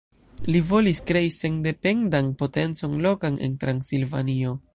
Li volis krei sendependan potencon lokan en Transilvanio.